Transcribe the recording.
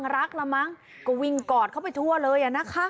รักละมั้งก็วิ่งกอดเข้าไปทั่วเลยนะคะ